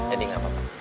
jadi gak apa apa